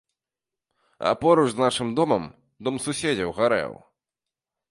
А поруч з нашым домам дом суседзяў гарэў.